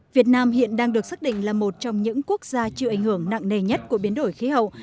việt nam hiện đang được xác định là một trong những quốc gia chịu ảnh hưởng nặng nề nhất của biến đổi khí hậu